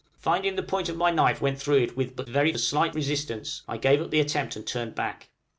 Finding the point of my knife went through it with but very slight resistance, I gave up the attempt and turned back.